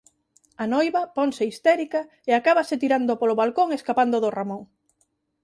A noiva ponse histérica e acábase tirando polo balcón escapando do Ramón.